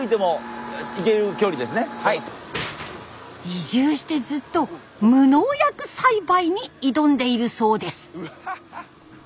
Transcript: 移住してずっと無農薬栽培に挑んでいるそうです。